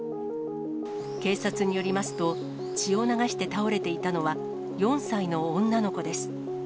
警察によりますと、血を流して倒れていたのは、４歳の女の子です。